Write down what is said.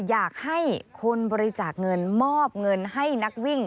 อยากให้คนบริจาคเงินมอบเงินให้นักวิ่ง